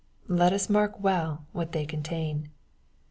Let us mark well what they contain.